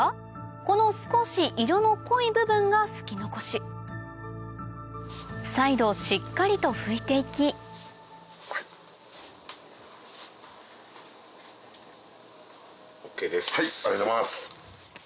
この少し色の濃い部分が拭き残し再度しっかりと拭いて行きはいありがとうございます。